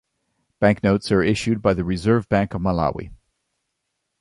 Banknotes are issued by the Reserve Bank of Malawi.